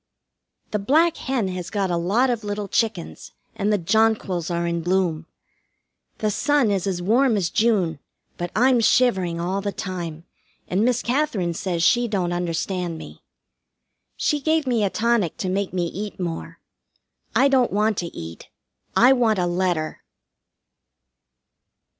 The black hen has got a lot of little chickens and the jonquils are in bloom. The sun is as warm as June, but I'm shivering all the time, and Miss Katherine says she don't understand me. She gave me a tonic to make me eat more. I don't want to eat. I want a letter.